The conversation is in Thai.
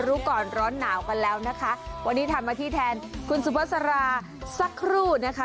รู้ก่อนร้อนหนาวกันแล้วนะคะวันนี้ทำหน้าที่แทนคุณสุภาษาราสักครู่นะคะ